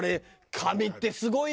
紙ってすごいね！